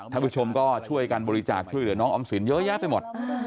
ท่านผู้ชมก็ช่วยกันบริจาคช่วยเหลือน้องออมสินเยอะแยะไปหมด